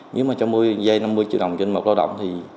nếu mà cho dây năm mươi triệu đồng trên một lao động thì